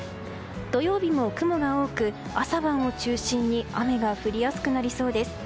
土曜日も雲が多く、朝晩を中心に雨が降りやすくなりそうです。